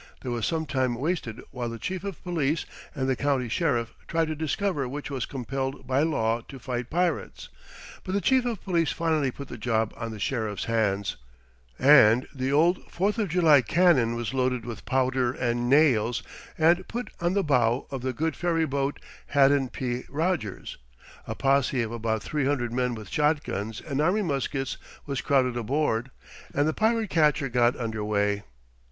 There was some time wasted while the Chief of Police and the County Sheriff tried to discover which was compelled by law to fight pirates, but the Chief of Police finally put the job on the Sheriff's hands, and the old Fourth of July cannon was loaded with powder and nails and put on the bow of the good ferry boat Haddon P. Rogers, a posse of about three hundred men with shotguns and army muskets was crowded aboard, and the pirate catcher got under way.